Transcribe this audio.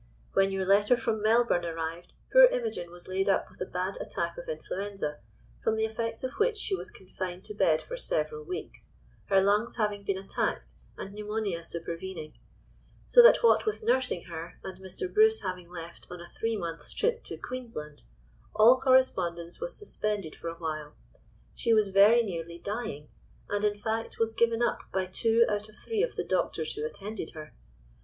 "When your letter from Melbourne arrived, poor Imogen was laid up with a bad attack of influenza, from the effects of which she was confined to bed for several weeks, her lungs having been attacked and pneumonia supervening; so that what with nursing her, and Mr. Bruce having left on a three months' trip to Queensland, all correspondence was suspended for a while. She was very nearly dying, and in fact was given up by two out of three of the doctors who attended her!